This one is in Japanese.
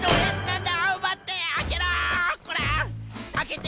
あけて。